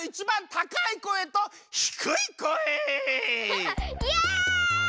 ハハッイエイ！